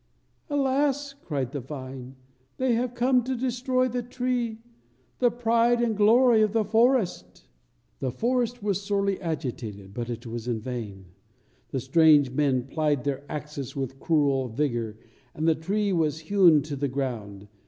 "Alas," cried the vine, "they have come to destroy the tree, the pride and glory of the forest!" The forest was sorely agitated, but it was in vain. The strange men plied their axes with cruel vigor, and the tree was hewn to the ground.